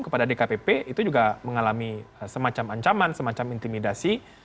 kepada dkpp itu juga mengalami semacam ancaman semacam intimidasi